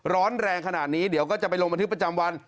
ร้อนแรงขนาดนี้เดี๋ยวก็จะไปลงบันทึกประจำวัน